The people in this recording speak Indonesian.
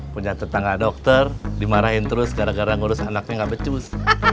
punya tetangga dokter dimarahin terus gara gara ngurus anaknya gak becus